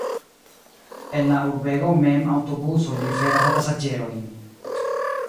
En la urbego mem aŭtobusoj liveras la pasaĝerojn.